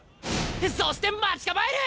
そして待ち構える！